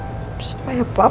demi semuanya yang bagaimana